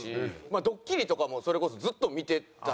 ドッキリとかもそれこそずっと見てたし。